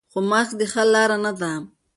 خو ماسک د حل لاره نه ده.